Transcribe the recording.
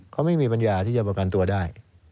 เขาไม่มีปัญญาที่จะประกันตัวได้